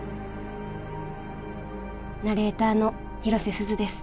ナレーターの広瀬すずです。